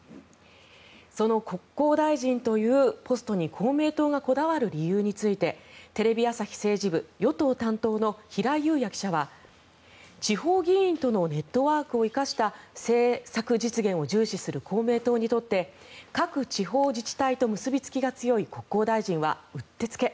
その国交大臣というポストに公明党がこだわる理由についてテレビ朝日政治部与党担当の平井雄也記者は地方議員とのネットワークを生かした政策実現を重視する公明党にとって各地方自治体と結びつきが強い国交大臣はうってつけ。